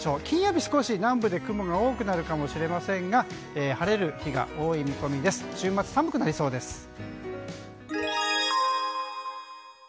金曜日、少し南部で雲が多くなるかもしれませんが晴れる日が多い見込みです。